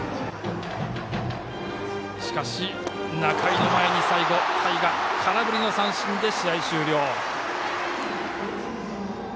しかし仲井の前に最後、田井が空振りの三振で試合終了。